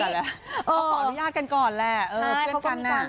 เขาขออนุญาตกันก่อนแหละเพื่อนกันน่ะ